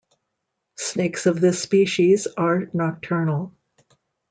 Snakes of this species are nocturnal.